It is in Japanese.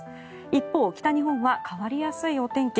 一方、北日本は変わりやすいお天気。